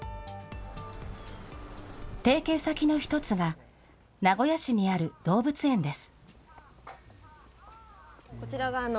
提携先の１つが、名古屋市にある動物園です。